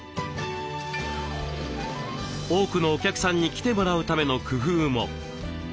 多くのお客さんに来てもらうための工夫も。